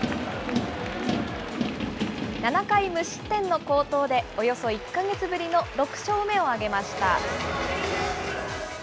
７回無失点の好投で、およそ１か月ぶりの６勝目を挙げました。